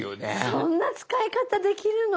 そんな使い方できるの！